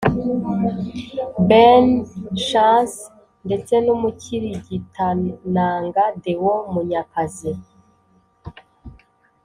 Ben & Chance ndetse n’umukirigitananga Deo Munyakazi